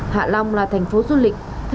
hạ long là thành phố du lịch